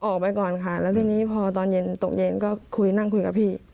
ออกไปก่อนค่ะแล้วทีนี้พอตอนเย็นตกเย็นก็คุยนั่งคุยกับพี่